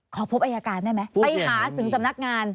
ขอพบอายการได้ไหมไปหาถึงสำนักงาน